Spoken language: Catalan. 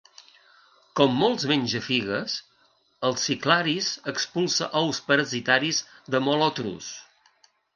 Com molts menjafigues, el cyclarhis expulsa ous parasitaris de molothrus.